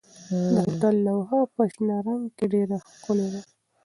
د هوټل لوحه په شنه رنګ کې ډېره ښکلې وه.